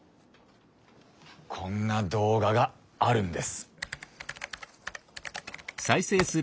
こんな動画があるんです。